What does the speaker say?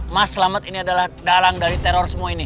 mas selamat ini adalah dalang dari teror semua ini